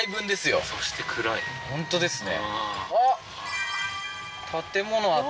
本当ですね